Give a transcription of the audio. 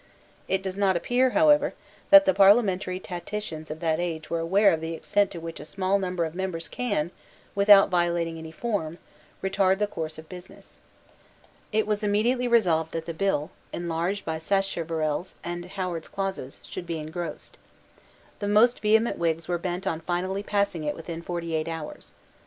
It does not appear, however, that the parliamentary tacticians of that age were aware of the extent to which a small number of members can, without violating any form, retard the course of business. It was immediately resolved that the bill, enlarged by Sacheverell's and Howard's clauses, should be ingrossed. The most vehement Whigs were bent on finally passing it within forty eight hours.